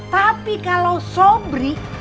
tapi kalau sobri